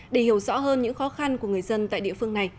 để hiểu rõ hơn những khó khăn của người dân tại địa phương này